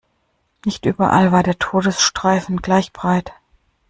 Nicht überall war der Todesstreifen gleich breit.